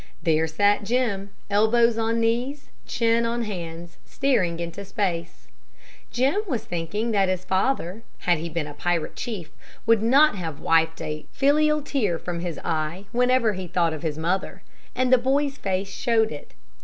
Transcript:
There sat Jim, elbows on knees, chin on hands, staring into space. Jim was thinking that his father, had he been a pirate chief, would not have wiped a filial tear from his eye whenever he thought of his mother; and the boy's face showed it.